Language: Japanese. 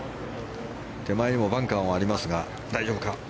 手前にもバンカーがありますが大丈夫か？